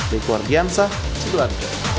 deku argyansah segelar